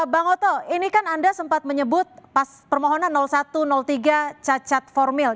bang oto ini kan anda sempat menyebut pas permohonan satu tiga cacat formil